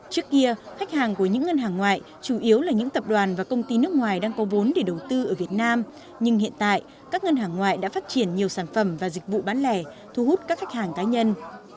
trước kia khách hàng của những ngân hàng ngoại chủ yếu là những tập đoàn và công ty nước ngoài đang có vốn để đầu tư ở việt nam nhưng hiện tại các ngân hàng ngoại đã phát triển nhiều sản phẩm và dịch vụ bán lẻ thu hút các khách hàng cá nhân